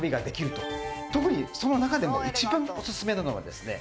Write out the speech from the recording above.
特にその中でも一番オススメなのはですね